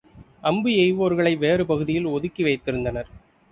அம்பு எய்வோர்களை, வேறு பகுதியில் ஒதுக்கி வைத்திருந்தனர்.